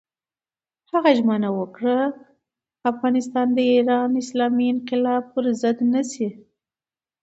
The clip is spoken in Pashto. هغه ژمنه وکړه، افغانستان د ایران د اسلامي انقلاب پر ضد نه شي.